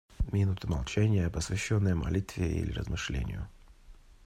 Минута молчания, посвященная молитве или размышлению.